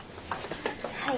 はい。